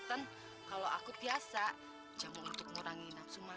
tan kalau aku biasa jamu untuk ngurangin hapsu makan